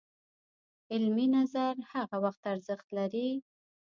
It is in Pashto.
علمي نظر هغه وخت ارزښت لري